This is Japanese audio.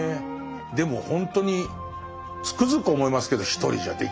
でもほんとにつくづく思いますけど一人じゃできないですもんね